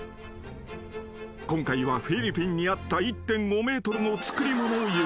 ［今回はフィリピンにあった１．５ｍの作り物を輸送］